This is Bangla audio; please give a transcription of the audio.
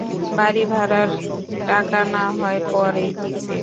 বাড়িভাড়ার টাকা নাহয় পরেই দিতে?